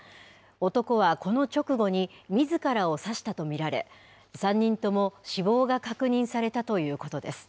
男はこの直後にみずからを刺したと見られ、３人とも死亡が確認されたということです。